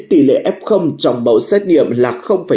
tỷ lệ f trong bầu xét nghiệm là tám